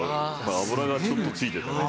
油がちょっと付いててね。